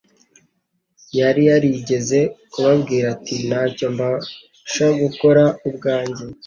Yari yarigeze kubabwira ati: "Ntacyo mbasha gukora ubwanjye.